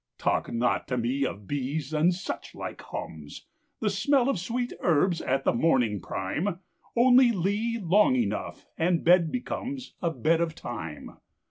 Talk not to me of bees and such like hums, The smell of sweet herbs at the morning prime Only lee long enough, and bed becomes A bed of time.